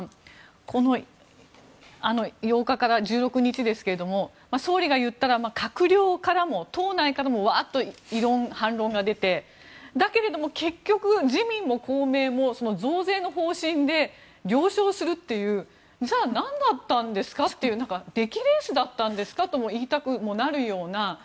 この８日から１６日ですが総理が言ったら閣僚からも党内からもワッと異論、反論が出てだけれども結局自民も公明も増税の方針で了承するというじゃあなんだったんですかという出来レースだったんですかとも言いたくもなるような。